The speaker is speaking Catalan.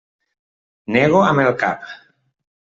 Nego amb el cap.